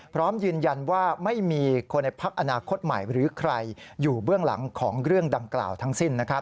พร้อมยืนยันว่าไม่มีคนในพักอนาคตใหม่หรือใครอยู่เบื้องหลังของเรื่องดังกล่าวทั้งสิ้น